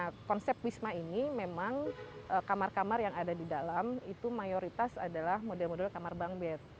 nah konsep wisma ini memang kamar kamar yang ada di dalam itu mayoritas adalah model model kamar bang bed